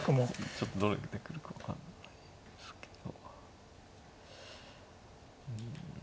ちょっとどれで来るか分かんないですけど。